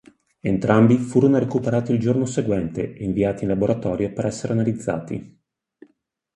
Entrambi furono recuperati il giorno seguente e inviati in laboratorio per essere analizzati.